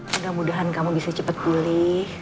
mudah mudahan kamu bisa cepat pulih